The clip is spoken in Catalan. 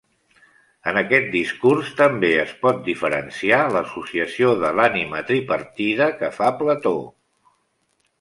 En aquest discurs, també es pot diferenciar l'associació de l'ànima tripartida que fa Plató.